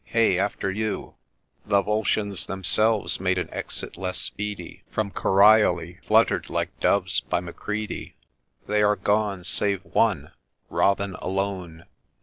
Hey after you !'— The Volscians themselves made an exit less speedy From Corioli, ' flutter'd like doves ' by Macready. They are gone, — save one, Robin alone